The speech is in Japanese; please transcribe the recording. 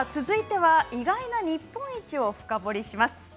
続いては意外な日本一を深掘りします。